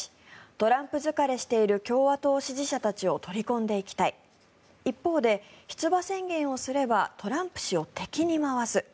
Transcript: トランプ疲れしている共和党支持者たちを取り込んでいきたい一方で、出馬宣言をすればトランプ氏を敵に回す。